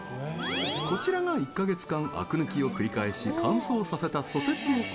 こちらが１か月間アク抜きを繰り返し、乾燥させたソテツの粉。